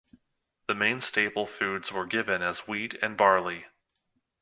The main staple foods were given as wheat and barley.